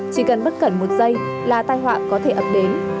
chỉ cần bất cẩn một giây là tai họa có thể ập đến